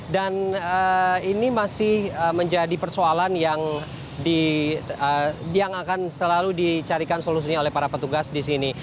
dan ini masih menjadi persoalan yang akan selalu dicarikan solusinya oleh para petugas di sini